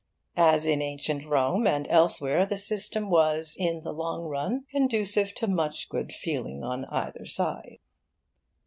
As in Ancient Rome and elsewhere, the system was, in the long run, conducive to much good feeling on either side.